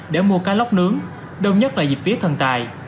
để mua cá lóc nướng đông nhất là dịp vía thần tài